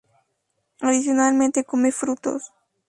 Adicionalmente come frutos.